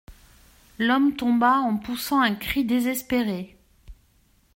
L'homme tomba en poussant un cri désespéré.